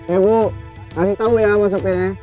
ibu kasih tau ya sama sopirnya